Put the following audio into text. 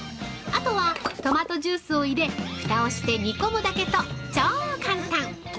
あとはトマトジュースを入れ、ふたをして煮込むだけと超簡単！